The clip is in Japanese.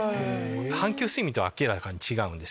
半球睡眠とは明らかに違うんですけど。